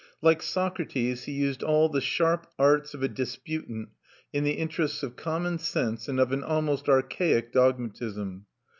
Like Socrates, he used all the sharp arts of a disputant in the interests of common sense and of an almost archaic dogmatism.